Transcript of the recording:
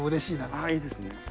あいいですね。